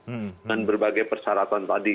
dengan berbagai persyaratan tadi